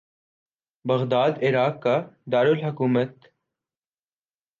Baghdad Iraq کا دار الحکومت